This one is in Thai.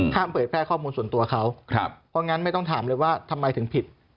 เผยแพร่ข้อมูลส่วนตัวเขาเพราะงั้นไม่ต้องถามเลยว่าทำไมถึงผิด